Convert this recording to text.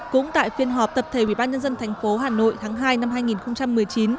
cũng tại phiên họp tập thể ubnd thành phố hà nội tháng hai năm hai nghìn một mươi chín